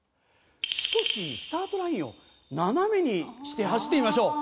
少しスタートラインを斜めにして走ってみましょう。